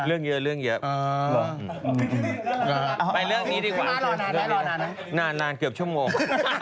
เรื่องเยอะเรื่องเยอะไปเรื่องนี้ดีกว่านานเกือบชั่วโมง